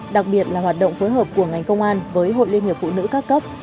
đặc biệt là hoạt động phối hợp của ngành công an với hội liên hiệp phụ nữ các cấp